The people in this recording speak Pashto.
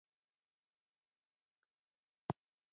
د هغوی څېړنه پر سالمو کسانو شوې وه.